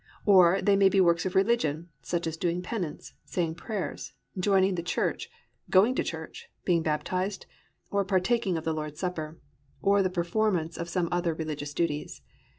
Or they may be works of religion, such as doing penance, saying prayers, joining the church, going to church, being baptised, or partaking of the Lord's Supper, or the performance of some other religious duties.